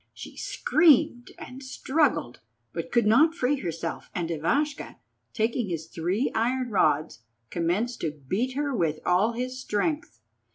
She screamed and struggled, but could not free herself, and Ivashka, taking his three iron rods, commenced to beat her with all his strength.